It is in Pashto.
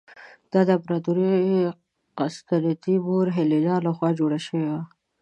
دا د امپراتور قسطنطین مور هیلینا له خوا جوړه شوې وه.